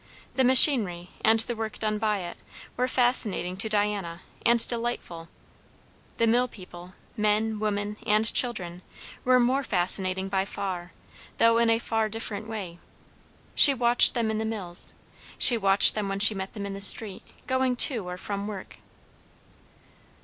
The machinery, and the work done by it, were fascinating to Diana and delightful; the mill people, men, women, and children, were more fascinating by far, though in a far different way. She watched them in the mills, she watched them when she met them in the street, going to or from work.